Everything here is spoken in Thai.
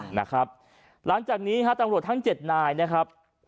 หลังจากนี้ฮะตำรวจทั้ง๗นายนะครับ